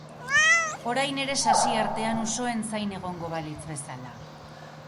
Orain ere sasi artean usoen zain egongo balitz bezala.